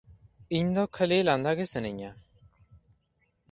ᱤᱧ ᱫᱚ ᱠᱷᱟᱹᱞᱤ ᱞᱟᱱᱫᱟ ᱜᱮ ᱥᱮᱱᱟᱹᱧᱼᱟ ᱾